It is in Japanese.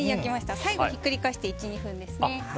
最後、ひっくり返して１２分です。